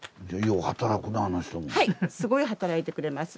すごい働いてくれます。